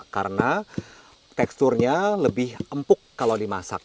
karena teksturnya lebih empuk kalau dimasak